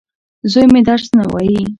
زوی مي درس نه وايي.